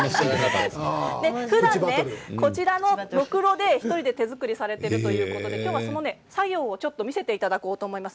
こちらのろくろで１人で手作りされているということで作業を見せていただこうと思います。